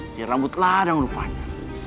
si rambut ladang rupanya